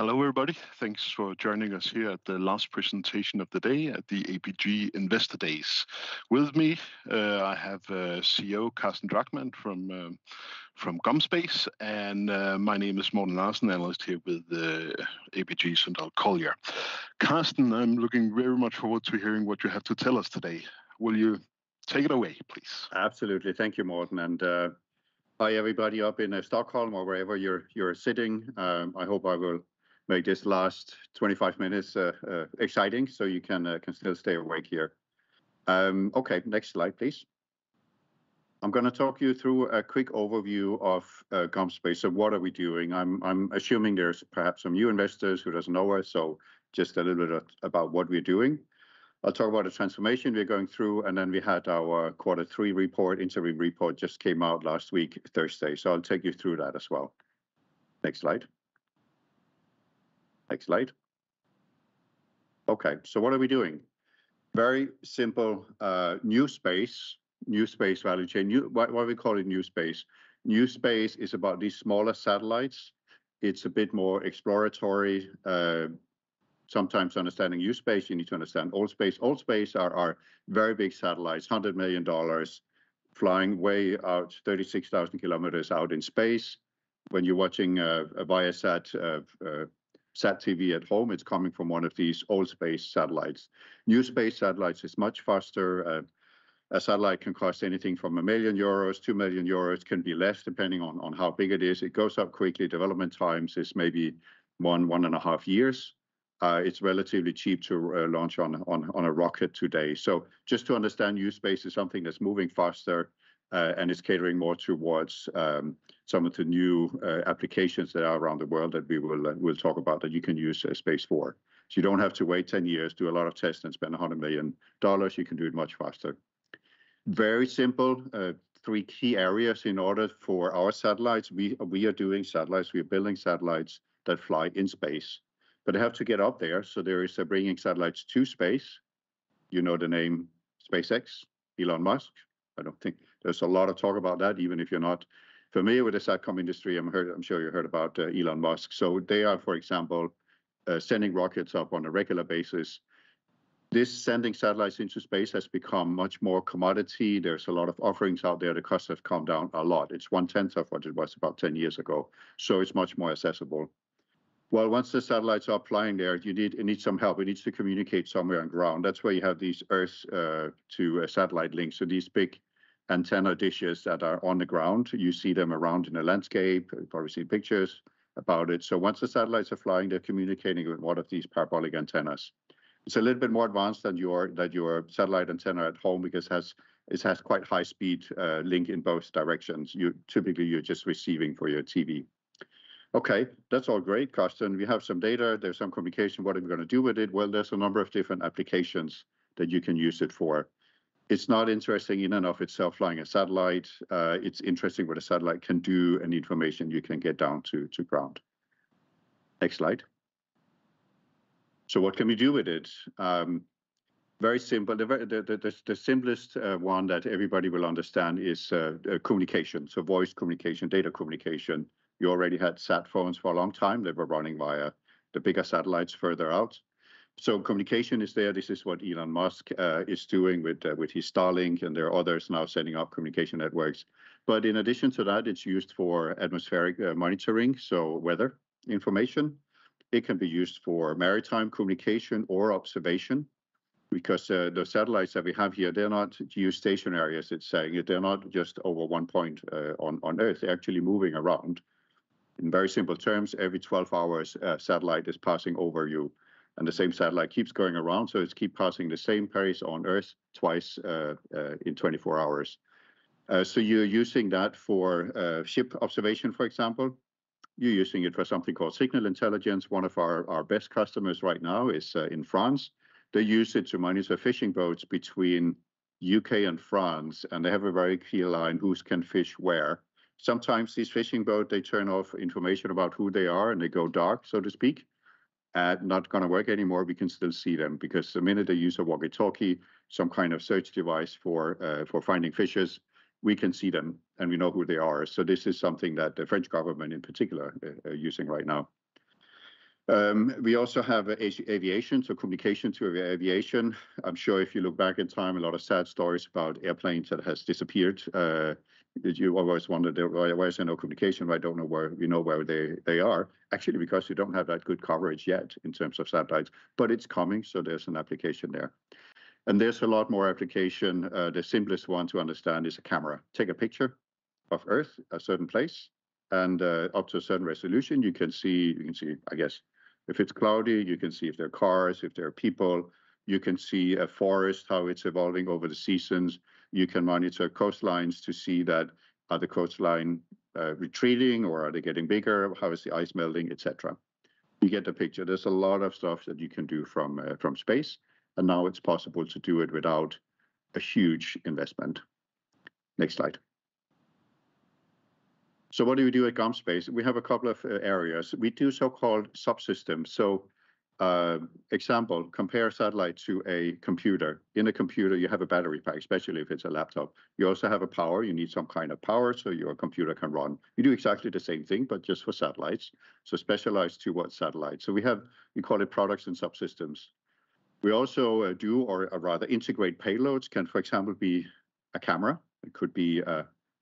Hello, everybody. Thanks for joining us here at the last presentation of the day at the ABG Investor Days. With me, I have CEO Carsten Drachmann from GomSpace, and my name is Morten Larsen, analyst here with ABG Sundal Collier. Carsten, I'm looking very much forward to hearing what you have to tell us today. Will you take it away, please? Absolutely. Thank you, Morten, and hi, everybody up in Stockholm or wherever you're sitting. I hope I will make this last 25 minutes exciting, so you can still stay awake here. Okay, next slide, please. I'm gonna talk you through a quick overview of GomSpace. So what are we doing? I'm assuming there's perhaps some new investors who doesn't know us, so just a little bit about what we're doing. I'll talk about the transformation we're going through, and then we had our quarter three report, interim report, just came out last week, Thursday. So I'll take you through that as well. Next slide. Next slide. Okay, so what are we doing? Very simple. New space, new space value chain. New... Why we call it new space? New space is about these smaller satellites. It's a bit more exploratory. Sometimes understanding New Space, you need to understand Old Space. Old Space are very big satellites, $100 million, flying way out, 36,000 km out in space. When you're watching Viasat sat TV at home, it's coming from one of these Old Space satellites. New Space satellites is much faster. A satellite can cost anything from 1 million euros, 2 million euros, can be less, depending on how big it is. It goes up quickly. Development times is maybe one, one and a half years. It's relatively cheap to launch on a rocket today. So just to understand, New Space is something that's moving faster, and it's catering more towards, some of the new, applications that are around the world that we will, we'll talk about that you can use, space for. So you don't have to wait 10 years, do a lot of tests, and spend $100 million. You can do it much faster. Very simple. Three key areas in order for our satellites. We, we are doing satellites, we are building satellites that fly in space, but they have to get up there, so there is bringing satellites to space. You know the name SpaceX, Elon Musk? I don't think... There's a lot of talk about that. Even if you're not familiar with the SATCOM industry, I'm sure you heard about Elon Musk. So they are, for example, sending rockets up on a regular basis. This sending satellites into space has become much more commodity. There's a lot of offerings out there. The costs have come down a lot. It's 1/10 of what it was about 10 years ago, so it's much more accessible. Well, once the satellites are flying there, you need, it needs some help. It needs to communicate somewhere on ground. That's why you have these Earth to satellite links, so these big antenna dishes that are on the ground. You see them around in a landscape. You've probably seen pictures about it. So once the satellites are flying, they're communicating with one of these parabolic antennas. It's a little bit more advanced than your satellite antenna at home because it has quite high speed link in both directions. You typically, you're just receiving for your TV. Okay, that's all great, Carsten. We have some data. There's some communication. What are we gonna do with it? Well, there's a number of different applications that you can use it for. It's not interesting in and of itself flying a satellite. It's interesting what a satellite can do and information you can get down to ground. Next slide. So what can we do with it? Very simple. The very simplest one that everybody will understand is communication, so voice communication, data communication. You already had sat phones for a long time. They were running via the bigger satellites further out. So communication is there. This is what Elon Musk is doing with his Starlink, and there are others now setting up communication networks. But in addition to that, it's used for atmospheric monitoring, so weather information. It can be used for maritime communication or observation because the satellites that we have here, they're not geostationary, as it's saying. They're not just over one point on Earth. They're actually moving around. In very simple terms, every 12 hours, a satellite is passing over you, and the same satellite keeps going around, so it's keep passing the same place on Earth twice in 24 hours. So you're using that for ship observation, for example. You're using it for something called Signal Intelligence. One of our best customers right now is in France. They use it to monitor fishing boats between U.K. and France, and they have a very clear line who's can fish where. Sometimes these fishing boat, they turn off information about who they are, and they go dark, so to speak. Not gonna work anymore. We can still see them, because the minute they use a walkie-talkie, some kind of search device for finding fishes, we can see them, and we know who they are. So this is something that the French government, in particular, are using right now. We also have aviation, so communication to aviation. I'm sure if you look back in time, a lot of sad stories about airplanes that has disappeared. You always wondered, "Well, why is there no communication? I don't know where we know where they are." Actually, because you don't have that good coverage yet in terms of satellites, but it's coming, so there's an application there, and there's a lot more application. The simplest one to understand is a camera. Take a picture of Earth, a certain place, and up to a certain resolution, you can see, I guess, if it's cloudy, you can see if there are cars, if there are people. You can see a forest, how it's evolving over the seasons. You can monitor coastlines to see that, are the coastline retreating, or are they getting bigger? How is the ice melting, et cetera. You get the picture. There's a lot of stuff that you can do from space, and now it's possible to do it without a huge investment. Next slide. So what do we do at GomSpace? We have a couple of areas. We do so-called subsystems, example, compare satellite to a computer. In a computer, you have a battery pack, especially if it's a laptop. You also have a power. You need some kind of power, so your computer can run. You do exactly the same thing, but just for satellites, so specialized towards satellites. So we have; we call it products and subsystems. We also do or rather integrate payloads. Can, for example, be a camera; it could be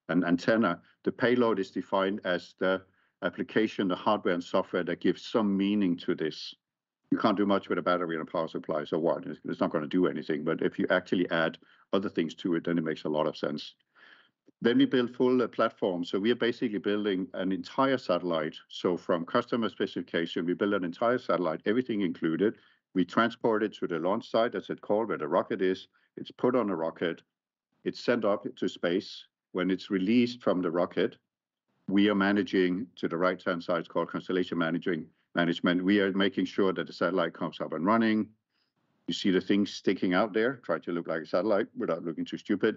an antenna. The payload is defined as the application, the hardware and software that gives some meaning to this. You can't do much with a battery and a power supply, so what? It's not gonna do anything. But if you actually add other things to it, then it makes a lot of sense. Then we build full platform. So we are basically building an entire satellite. So from customer specification, we build an entire satellite, everything included. We transport it to the launch site, as it's called, where the rocket is. It's put on a rocket, it's sent off into space. When it's released from the rocket, we are managing. To the right-hand side, it's called constellation management. We are making sure that the satellite comes up and running. You see the things sticking out there, trying to look like a satellite without looking too stupid.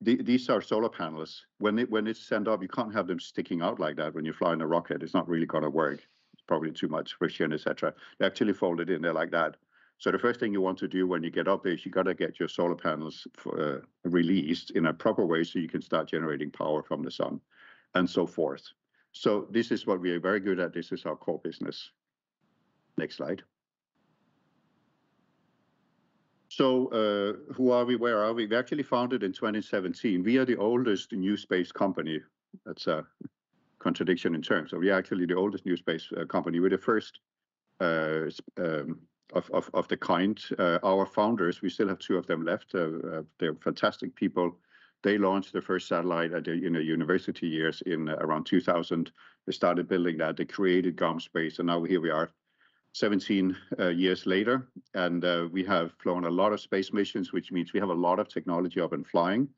These are solar panels. When it's sent off, you can't have them sticking out like that when you're flying a rocket. It's not really gonna work. It's probably too much friction, et cetera. They're actually folded in there like that. So the first thing you want to do when you get up is you've got to get your solar panels released in a proper way so you can start generating power from the sun, and so forth. So this is what we are very good at. This is our core business. Next slide. So, who are we? Where are we? We actually founded in 2017. We are the oldest New Space company. That's a contradiction in terms, so we are actually the oldest New Space company. We're the first of the kind. Our founders, we still have two of them left. They're fantastic people. They launched the first satellite at their, you know, university years in around 2000. They started building that. They created GomSpace, and now here we are, 17 years later, and we have flown a lot of space missions, which means we have a lot of technology up and flying.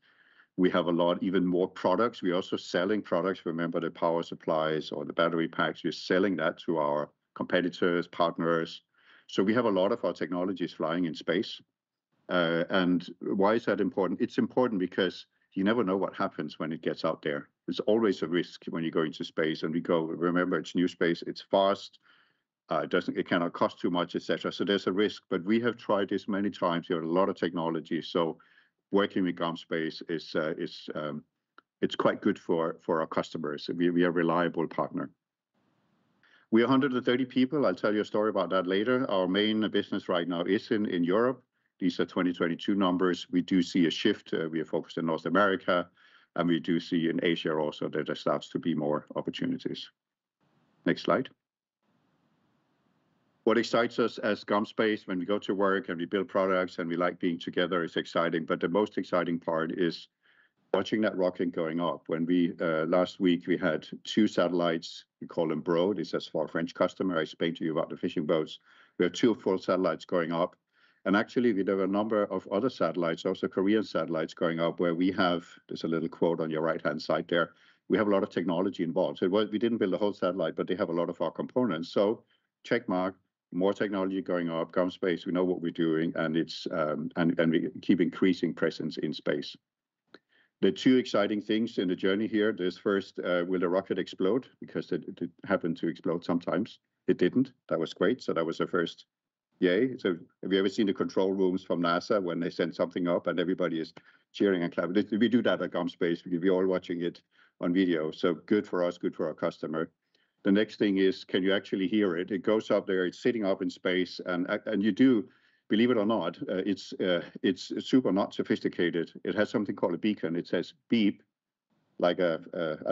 We have a lot... Even more products. We're also selling products. Remember, the power supplies or the battery packs, we're selling that to our competitors, partners. So we have a lot of our technologies flying in space. And why is that important? It's important because you never know what happens when it gets out there. There's always a risk when you go into space, and we go, remember, it's new space, it's fast, it cannot cost too much, et cetera. So there's a risk, but we have tried this many times. We have a lot of technology, so working with GomSpace is quite good for our customers. We are a reliable partner. We are 130 people. I'll tell you a story about that later. Our main business right now is in Europe. These are 2022 numbers. We do see a shift. We are focused in North America, and we do see in Asia also, there starts to be more opportunities. Next slide. What excites us as GomSpace when we go to work, and we build products, and we like being together, it's exciting. But the most exciting part is watching that rocket going up. When we last week, we had two satellites, we call them BrodE. It's as for our French customer, I spoke to you about the fishing boats. We had two full satellites going up, and actually, there were a number of other satellites, also Korean satellites going up, where we have... There's a little quote on your right-hand side there. We have a lot of technology involved. So well, we didn't build the whole satellite, but they have a lot of our components. So check mark, more technology going up, GomSpace, we know what we're doing, and it's, and, and we keep increasing presence in space. The two exciting things in the journey here, there's first, will the rocket explode? Because they, they happen to explode sometimes. It didn't. That was great, so that was the first yay. So have you ever seen the control rooms from NASA when they send something up, and everybody is cheering and clapping? We, we do that at GomSpace. We, we're all watching it on video, so good for us, good for our customer. The next thing is, can you actually hear it? It goes up there, it's sitting up in space, and and you do, believe it or not, it's, it's super not sophisticated. It has something called a beacon. It says, "Beep," like a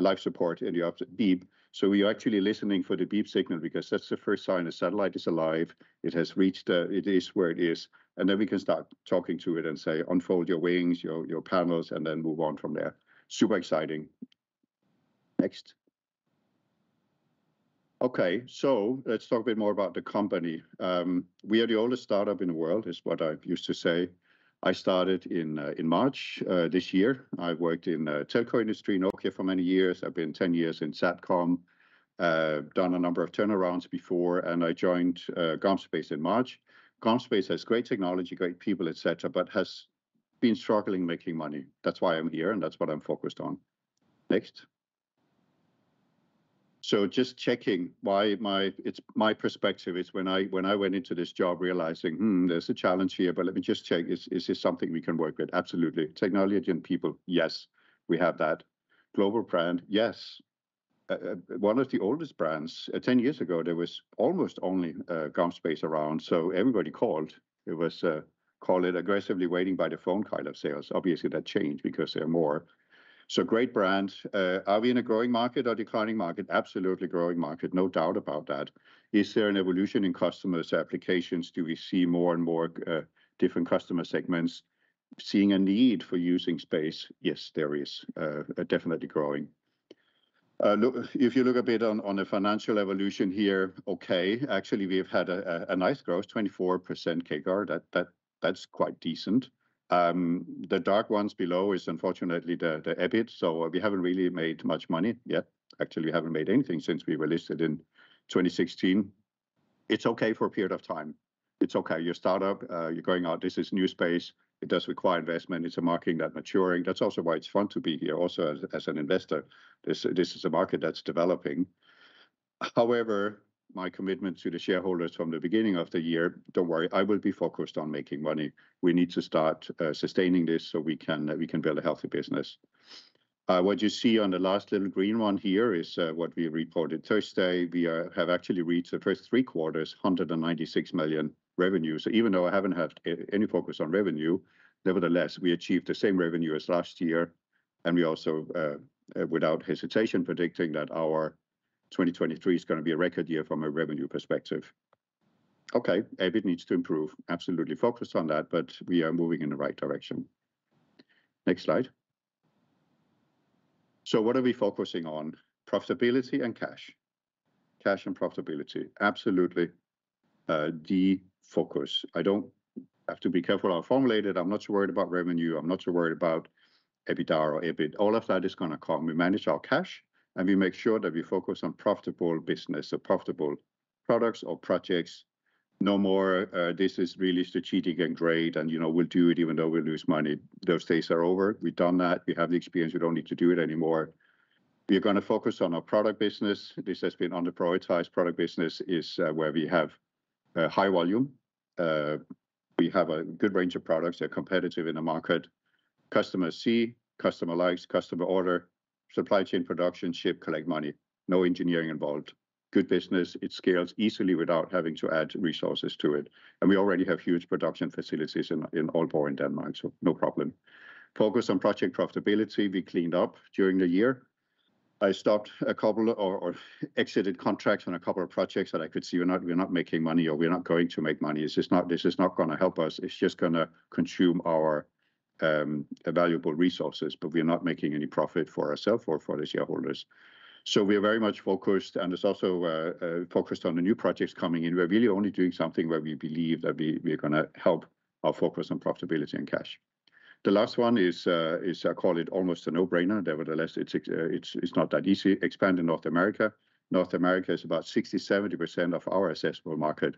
life support in the beep. So we are actually listening for the beep signal because that's the first sign a satellite is alive. It has reached, it is where it is, and then we can start talking to it and say, "Unfold your wings, your, your panels," and then move on from there. Super exciting. Next. Okay, so let's talk a bit more about the company. We are the oldest startup in the world, is what I used to say. I started in, in March this year. I worked in telco industry, Nokia for many years. I've been 10 years in Satcom, done a number of turnarounds before, and I joined GomSpace in March. GomSpace has great technology, great people, et cetera, but has been struggling making money. That's why I'm here, and that's what I'm focused on. Next. So just checking why it's... My perspective is when I, when I went into this job realizing, "Hmm, there's a challenge here, but let me just check. Is, is this something we can work with?" Absolutely. Technology and people, yes, we have that. Global brand, yes. One of the oldest brands. 10 years ago, there was almost only GomSpace around, so everybody called. It was call it aggressively waiting by the phone kind of sales. Obviously, that changed because there are more. So great brand. Are we in a growing market or declining market? Absolutely growing market, no doubt about that. Is there an evolution in customers' applications? Do we see more and more different customer segments seeing a need for using space? Yes, there is, definitely growing. Look, if you look a bit on the financial evolution here, okay, actually, we've had a nice growth, 24% CAGR. That's quite decent. The dark ones below is unfortunately the EBIT, so we haven't really made much money yet. Actually, we haven't made anything since we were listed in 2016. It's okay for a period of time. It's okay. You're a startup, you're going out. This is New Space. It does require investment. It's a market that's maturing. That's also why it's fun to be here also as an investor. This is a market that's developing. However, my commitment to the shareholders from the beginning of the year, don't worry, I will be focused on making money. We need to start sustaining this so we can build a healthy business. What you see on the last little green one here is what we reported Thursday. We have actually reached the first three quarters, 196 million revenue. So even though I haven't had any focus on revenue, nevertheless, we achieved the same revenue as last year, and we also without hesitation predicting that our 2023 is gonna be a record year from a revenue perspective. Okay, EBIT needs to improve. Absolutely focused on that, but we are moving in the right direction. Next slide. So what are we focusing on? Profitability and cash. Cash and profitability, absolutely the focus. I don't have to be careful how I formulate it. I'm not so worried about revenue. I'm not so worried about EBITDA or EBIT. All of that is gonna come. We manage our cash, and we make sure that we focus on profitable business, so profitable products or projects. No more, this is really strategic and great, and, you know, we'll do it even though we'll lose money. Those days are over. We've done that. We have the experience. We don't need to do it anymore. We are gonna focus on our product business. This has been under prioritized. Product business is, where we have, high volume. We have a good range of products. They're competitive in the market. Customer see, customer likes, customer order, supply chain production, ship, collect money. No engineering involved. Good business. It scales easily without having to add resources to it, and we already have huge production facilities in Aalborg, in Denmark, so no problem. Focus on project profitability. We cleaned up during the year. I stopped a couple or exited contracts on a couple of projects that I could see we're not making money, or we're not going to make money. It's just not gonna help us. It's just gonna consume our valuable resources, but we are not making any profit for ourself or for the shareholders. So we are very much focused, and it's also focused on the new projects coming in. We're really only doing something where we believe that we are gonna help our focus on profitability and cash. The last one is I call it almost a no-brainer. Nevertheless, it's not that easy: expand in North America. North America is about 60%-70% of our addressable market,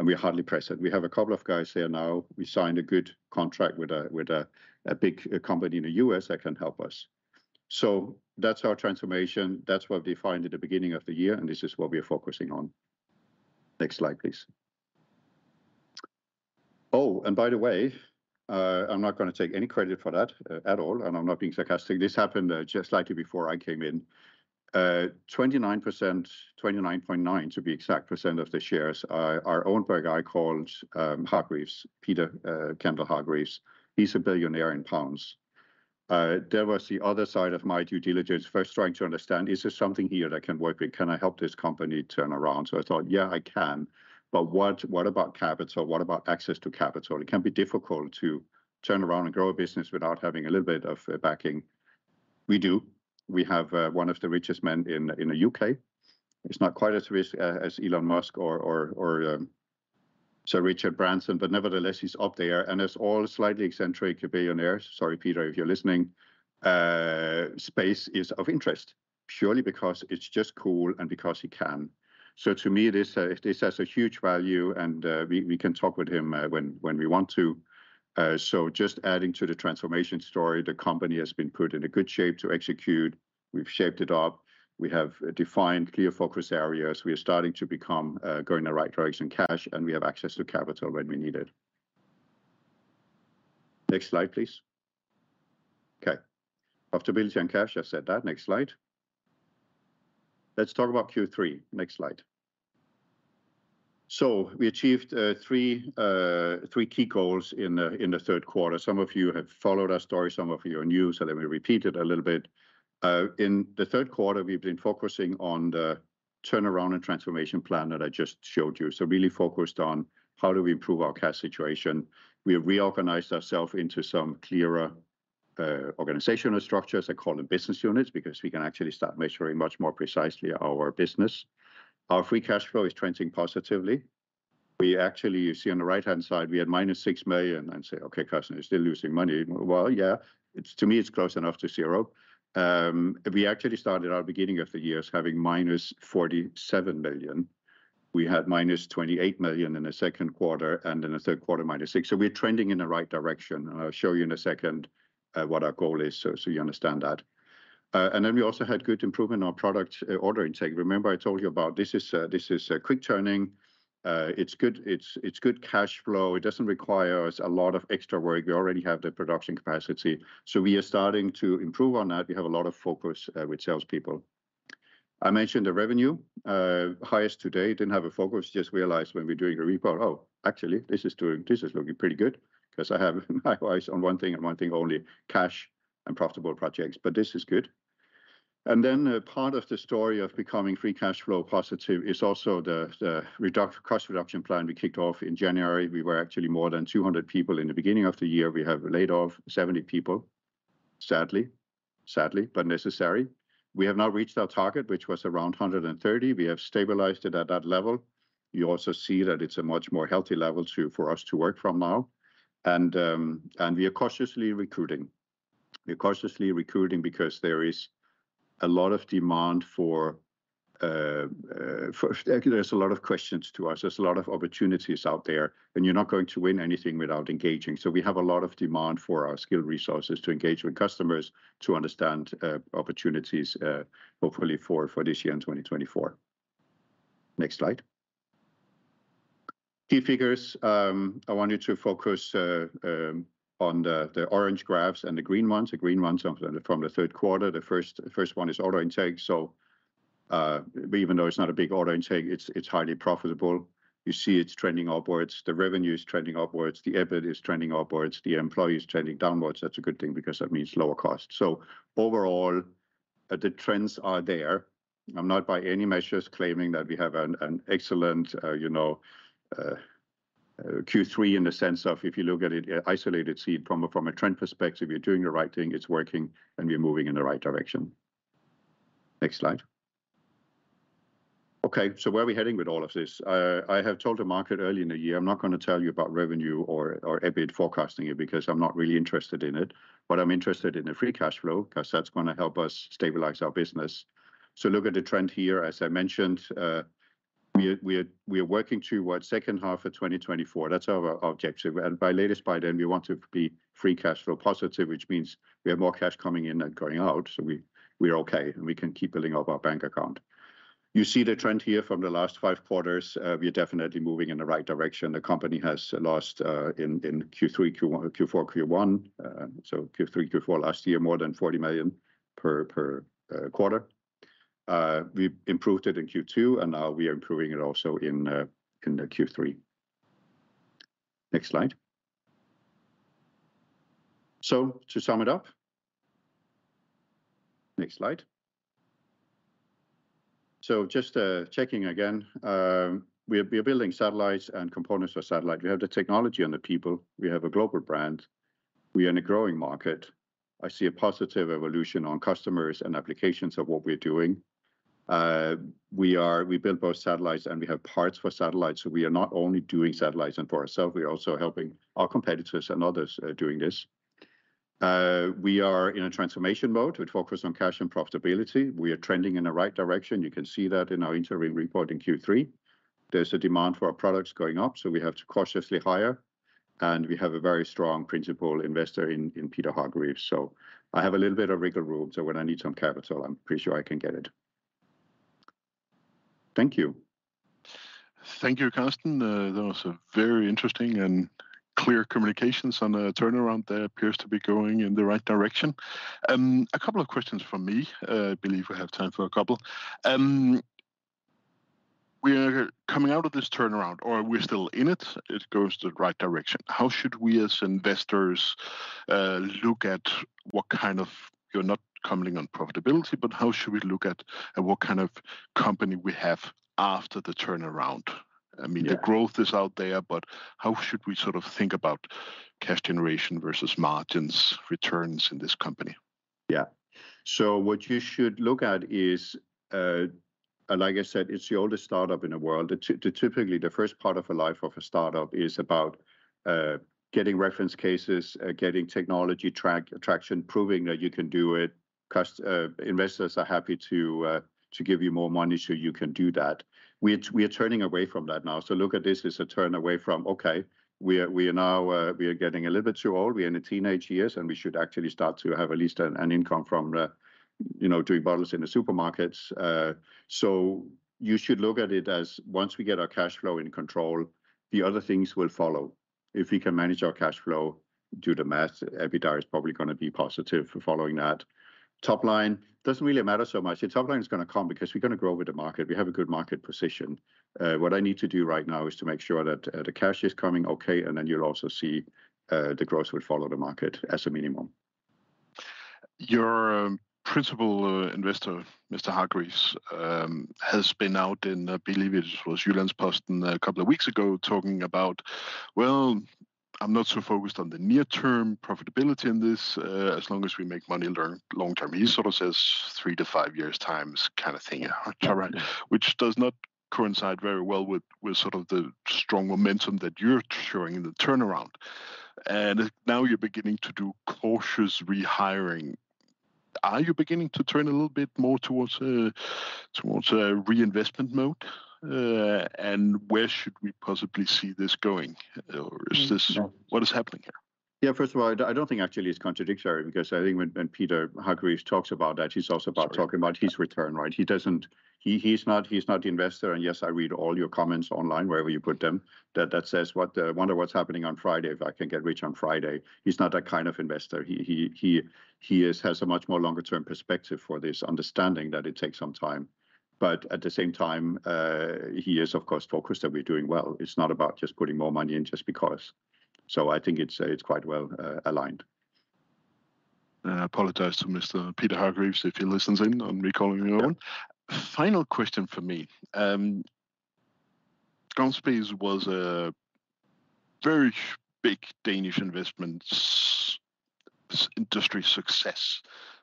and we are hardly present. We have a couple of guys there now. We signed a good contract with a big company in the U.S. that can help us. So that's our transformation. That's what we defined at the beginning of the year, and this is what we are focusing on. Next slide, please. Oh, and by the way, I'm not gonna take any credit for that at all, and I'm not being sarcastic. This happened just likely before I came in. 29%, 29.9%, to be exact, of the shares are owned by a guy called Hargreaves, Peter Kendal Hargreaves. He's a billionaire in pounds. There was the other side of my due diligence, first trying to understand, is there something here that can work? Can I help this company turn around? So I thought, "Yeah, I can," but what about capital? What about access to capital? It can be difficult to turn around and grow a business without having a little bit of backing. We do. We have one of the richest men in the U.K. He's not quite as rich as Elon Musk or Sir Richard Branson, but nevertheless, he's up there, and as all slightly eccentric billionaires, sorry, Peter, if you're listening, space is of interest purely because it's just cool and because he can. So to me, this has a huge value, and we can talk with him when we want to. So just adding to the transformation story, the company has been put in a good shape to execute. We've shaped it up. We have defined clear focus areas. We are starting to go in the right direction, cash, and we have access to capital when we need it. Next slide, please. Okay. Profitability and cash, I've said that. Next slide. Let's talk about Q3. Next slide. We achieved three key goals in the third quarter. Some of you have followed our story. Some of you are new, so let me repeat it a little bit. In the third quarter, we've been focusing on the turnaround and transformation plan that I just showed you, so really focused on how do we improve our cash situation. We have reorganized ourselves into some clearer organizational structures. I call them business units because we can actually start measuring much more precisely our business. Our free cash flow is trending positively. We actually, you see on the right-hand side, we had -6 million, and say, "Okay, Carsten, you're still losing money." Well, yeah, it's to me, it's close enough to zero. We actually started our beginning of the years having -47 million. We had -28 million in the second quarter, and in the third quarter, -6 million. So we're trending in the right direction, and I'll show you in a second, what our goal is so, so you understand that. And then we also had good improvement on product order intake. Remember I told you about this is, this is a quick turning. It's good cash flow. It doesn't require us a lot of extra work. We already have the production capacity. So we are starting to improve on that. We have a lot of focus with salespeople. I mentioned the revenue, highest to date. Didn't have a focus, just realized when we're doing a report, oh, actually, this is looking pretty good because I have my eyes on one thing and one thing only, cash and profitable projects, but this is good. And then, part of the story of becoming free cash flow positive is also the cost reduction plan we kicked off in January. We were actually more than 200 people in the beginning of the year. We have laid off 70 people, sadly, sadly, but necessary. We have now reached our target, which was around 130. We have stabilized it at that level. You also see that it's a much more healthy level to—for us to work from now, and we are cautiously recruiting. We're cautiously recruiting because there is-... Actually, there's a lot of questions to us. There's a lot of opportunities out there, and you're not going to win anything without engaging. So we have a lot of demand for our skilled resources to engage with customers to understand opportunities, hopefully for this year and 2024. Next slide. Key figures, I want you to focus on the orange graphs and the green ones. The green ones are from the third quarter. The first one is order intake. So, even though it's not a big order intake, it's highly profitable. You see it's trending upwards. The revenue is trending upwards. The EBIT is trending upwards. The employee is trending downwards. That's a good thing because that means lower cost. So overall, the trends are there. I'm not by any measures claiming that we have an excellent, you know, Q3 in the sense of if you look at it isolated, see it from a trend perspective, we're doing the right thing, it's working, and we're moving in the right direction. Next slide. Okay, so where are we heading with all of this? I have told the market early in the year, I'm not gonna tell you about revenue or EBIT forecasting it, because I'm not really interested in it, but I'm interested in the free cash flow, because that's gonna help us stabilize our business. So look at the trend here. As I mentioned, we are working toward second half of 2024. That's our objective, and by latest by then, we want to be free cash flow positive, which means we have more cash coming in than going out, so we, we're okay, and we can keep building up our bank account. You see the trend here from the last five quarters. We are definitely moving in the right direction. The company has lost in Q3, Q4 last year, more than 40 million per quarter. We improved it in Q2, and now we are improving it also in the Q3. Next slide. So to sum it up. Next slide. So just checking again, we are building satellites and components for satellite. We have the technology and the people. We have a global brand. We are in a growing market. I see a positive evolution on customers and applications of what we're doing. We build both satellites, and we have parts for satellites, so we are not only doing satellites and for ourself, we are also helping our competitors and others doing this. We are in a transformation mode, which focus on cash and profitability. We are trending in the right direction. You can see that in our interim report in Q3. There's a demand for our products going up, so we have to cautiously hire, and we have a very strong principal investor in Peter Hargreaves. So I have a little bit of wiggle room, so when I need some capital, I'm pretty sure I can get it. Thank you. Thank you, Carsten. That was a very interesting and clear communications on the turnaround that appears to be going in the right direction. A couple of questions from me. I believe we have time for a couple. We are coming out of this turnaround, or we're still in it, it goes the right direction. How should we, as investors, look at what kind of... You're not commenting on profitability, but how should we look at, at what kind of company we have after the turnaround? Yeah. I mean, the growth is out there, but how should we sort of think about cash generation versus margins, returns in this company? Yeah. So what you should look at is, like I said, it's the oldest startup in the world. Typically, the first part of a life of a startup is about getting reference cases, getting technology traction, proving that you can do it. Investors are happy to give you more money, so you can do that. We are turning away from that now. So look at this as a turn away from, "Okay, we are now getting a little bit too old. We are in the teenage years, and we should actually start to have at least an income from, you know, doing bottles in the supermarkets." So you should look at it as once we get our cash flow in control, the other things will follow. If we can manage our cash flow, do the math, EBITDA is probably gonna be positive for following that. Top line, doesn't really matter so much. The top line is gonna come because we're gonna grow with the market. We have a good market position. What I need to do right now is to make sure that the cash is coming okay, and then you'll also see the growth will follow the market as a minimum. Your principal investor, Mr. Hargreaves, has been out in, I believe it was Jyllands-Posten a couple of weeks ago, talking about, "Well, I'm not so focused on the near-term profitability in this, as long as we make money in the long term. Mm-hmm. He sort of says three to five years times kind of thing- Yeah... which does not coincide very well with sort of the strong momentum that you're showing in the turnaround. And now you're beginning to do cautious rehiring. Are you beginning to turn a little bit more towards reinvestment mode? And where should we possibly see this going? Or is this- Yeah... What is happening here? Yeah, first of all, I don't think actually it's contradictory because I think when Peter Hargreaves talks about that, he's also about- Sure... talking about his return, right? He doesn't. He's not the investor, and yes, I read all your comments online, wherever you put them, that says, "What... Wonder what's happening on Friday, if I can get rich on Friday." He's not that kind of investor. He has a much more longer-term perspective for this, understanding that it takes some time. But at the same time, he is, of course, focused that we're doing well. It's not about just putting more money in just because. So I think it's quite well aligned. I apologize to Mr. Peter Hargreaves, if he listens in on me calling him out. Yeah. Final question for me. GomSpace was a very big Danish investments industry success.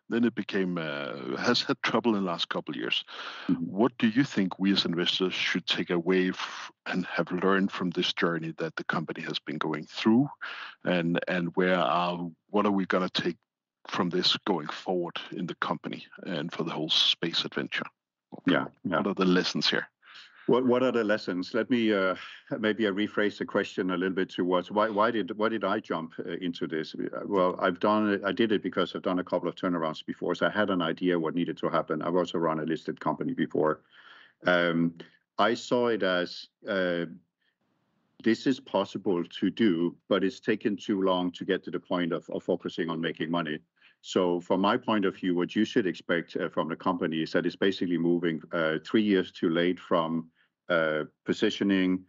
Then it became has had trouble in the last couple of years. Mm-hmm. What do you think we as investors should take away and have learned from this journey that the company has been going through, and where, what are we gonna take from this going forward in the company and for the whole space adventure?... Yeah, what are the lessons here? What, what are the lessons? Let me, maybe I rephrase the question a little bit towards why, why did I jump, into this? Well, I've done it—I did it because I've done a couple of turnarounds before, so I had an idea what needed to happen. I've also run a listed company before. I saw it as, this is possible to do, but it's taken too long to get to the point of, of focusing on making money. So from my point of view, what you should expect, from the company is that it's basically moving, three years too late from, positioning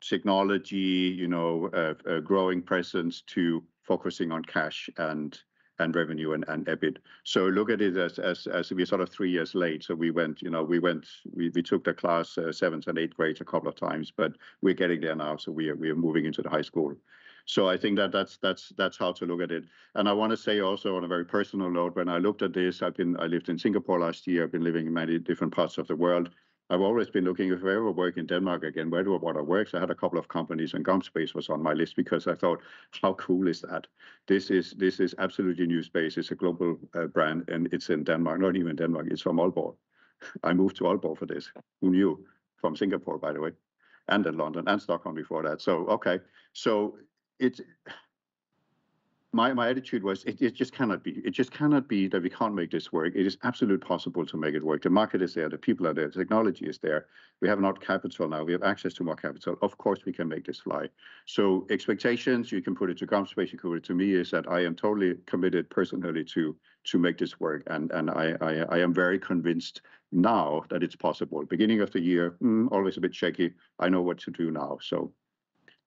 technology, you know, a growing presence to focusing on cash and, and revenue and, and EBIT. So look at it as, as we're sort of three years late. So we went, you know, we went... We, we took the class seventh and eighth grade a couple of times, but we're getting there now, so we are, we are moving into the high school. So I think that that's, that's, that's how to look at it. And I wanna say also on a very personal note, when I looked at this, I've been, I lived in Singapore last year. I've been living in many different parts of the world. I've always been looking if I ever work in Denmark again, where do I wanna work? So I had a couple of companies, and GomSpace was on my list because I thought, "How cool is that?" This is, this is absolutely New Space. It's a global brand, and it's in Denmark. Not even Denmark, it's from Aalborg. I moved to Aalborg for this. Who knew? From Singapore, by the way, and then London and Stockholm before that. So, okay. My attitude was, "It just cannot be. It just cannot be that we can't make this work." It is absolutely possible to make it work. The market is there, the people are there, technology is there. We have more capital now. We have access to more capital. Of course, we can make this fly. So expectations, you can put it to GomSpace. You put it to me is that I am totally committed personally to make this work, and I am very convinced now that it's possible. Beginning of the year, always a bit shaky. I know what to do now.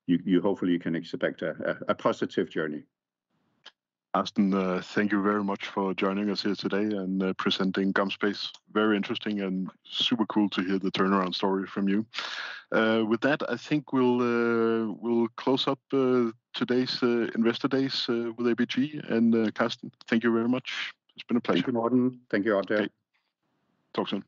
So you hopefully can expect a positive journey. Carsten, thank you very much for joining us here today and presenting GomSpace. Very interesting and super cool to hear the turnaround story from you. With that, I think we'll close up today's Investor Days with ABG. And, Carsten, thank you very much. It's been a pleasure. Thank you, Morten. Thank you, Carsten. Talk soon.